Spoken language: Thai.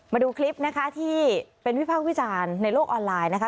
มาดูคลิปนะคะที่เป็นวิพากษ์วิจารณ์ในโลกออนไลน์นะคะ